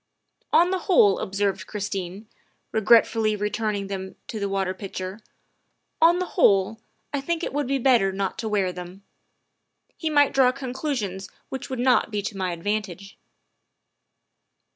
" On the whole," observed Christine, regretfully re turning them to the water pitcher, " on the whole, I think it would be better not to wear them. He might draw conclusions which would not be to my advantage.